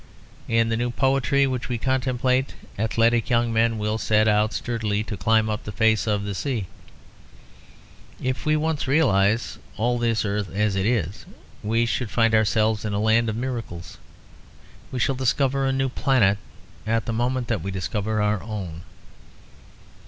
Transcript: In the new poetry which we contemplate, athletic young men will set out sturdily to climb up the face of the sea. If we once realize all this earth as it is, we should find ourselves in a land of miracles: we shall discover a new planet at the moment that we discover our own.